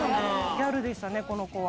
ギャルでしたね、この子は。